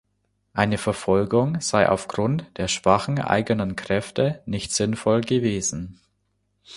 Eine Verfolgung sei aufgrund der schwachen eigenen Kräfte nicht sinnvoll gewesen.